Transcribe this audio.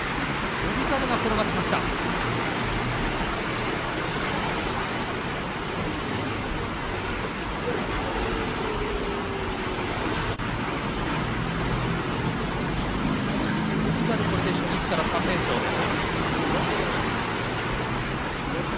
翔猿、これで初日から３連勝です。